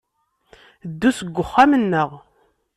Ddu seg uxxam-nneɣ.